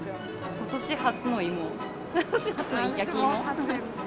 ことし初の芋。